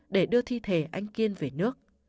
để đưa thi thể anh kiên về nước